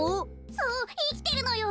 そういきてるのよ。